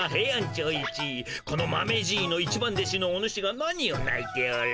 このマメじーの一番弟子のおぬしが何をないておる？